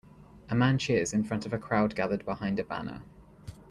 A man cheers in front of a crowd gathered behind a banner.